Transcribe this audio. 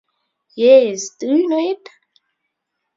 Yes, do you know it?